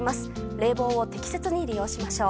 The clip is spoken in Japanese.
冷房を適切に利用しましょう。